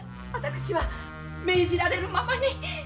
私は命じられるままに。